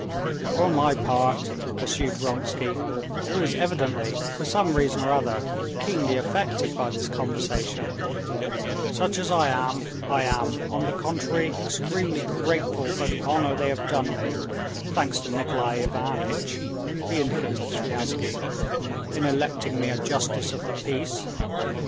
"For my part," pursued Vronsky, who was evidently for some reason or other keenly affected by this conversation, "such as I am, I am, on the contrary, extremely grateful for the honor they have done me, thanks to Nikolay Ivanitch" (he indicated Sviazhsky), "in electing me a justice of the peace.